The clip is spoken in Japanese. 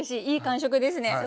いい感触ですね。